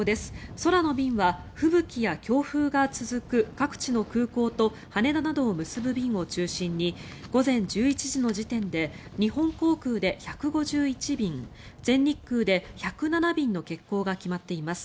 空の便は吹雪や強風が続く各地の空港と羽田などを結ぶ便を中心に午前１１時の時点で日本航空で１５１便全日空で１０７便の欠航が決まっています。